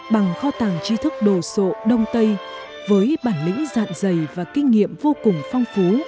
bằng kho tàng chi thức đồ sộ đông tây với bản lĩnh dạng dày và kinh nghiệm vô cùng phong phú